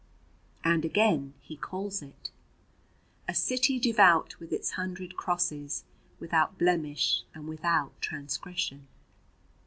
And again he calls it: A city devout with its hundred crosses, Without blemish and without transgression.